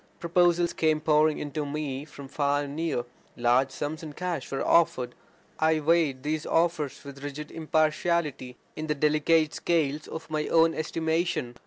Proposals came pouring in to me from far and near; large sums in cash were offered. I weighed these offers with rigid impartiality, in the delicate scales of my own estimation.